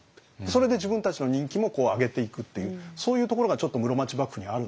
それで自分たちの人気も上げていくっていうそういうところがちょっと室町幕府にはあるんですよね。